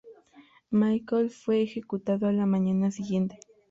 Mitchell fue ejecutado a la mañana siguiente.